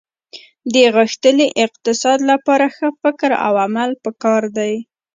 د غښتلي اقتصاد لپاره ښه فکر او عمل په کار دي